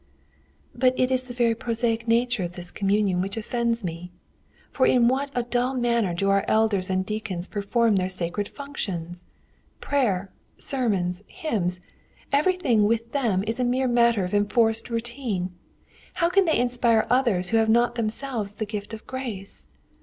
"But it is the very prosaic nature of this communion which offends me. For in what a dull manner do our elders and deacons perform their sacred functions! Prayer, sermon, hymns everything is with them a mere matter of enforced routine. How can they inspire others who have not themselves the gift of grace?